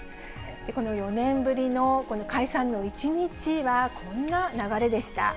この４年ぶりの解散の一日は、こんな流れでした。